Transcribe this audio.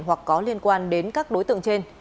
hoặc có liên quan đến các đối tượng trên